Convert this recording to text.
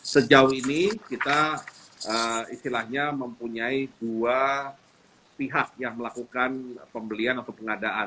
sejauh ini kita istilahnya mempunyai dua pihak yang melakukan pembelian atau pengadaan